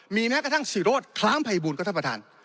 มีแม้กระทั่งศิโรธคล้ามภัยบูลครับท่านประธาน